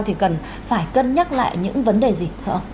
thì cần phải cân nhắc lại những vấn đề gì